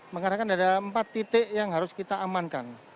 mengarahkan ada empat titik yang harus kita amankan